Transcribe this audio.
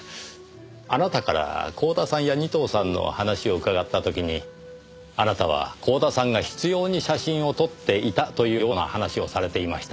あなたから光田さんや仁藤さんの話を伺った時にあなたは光田さんが執拗に写真を撮っていたというような話をされていました。